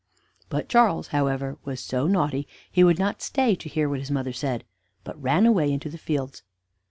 But Charles, however, was so naughty he would not stay to hear what his mother said, but ran away into the fields.